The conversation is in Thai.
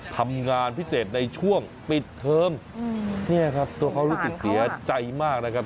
ทำงานพิเศษในช่วงปิดเทอมเนี่ยครับตัวเขารู้สึกเสียใจมากนะครับ